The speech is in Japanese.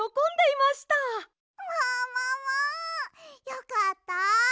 よかった。